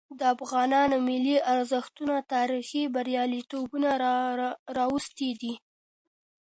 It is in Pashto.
د افغانانو ملي ارزښتونه تاريخي برياليتوبونه راوستي دي.